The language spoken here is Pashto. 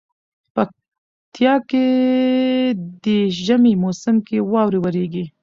پکتيا کي دي ژمي موسم کي واوري وريږي